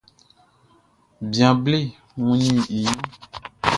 Bian bleʼn wunnin i ɲrunʼn.